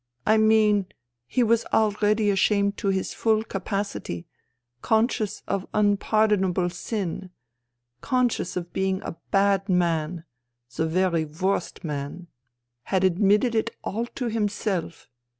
I mean, he was already ashamed to his full capacity, conscious of unpardonable sin, conscious of being a bad man, the very worst man — had admitted it all to himself